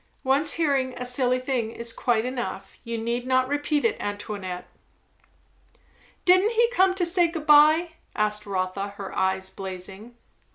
"Once hearing a silly thing is quite enough. You need not repeat it, Antoinette." "Didn't he come to say good bye?" asked Rotha, her eyes blazing.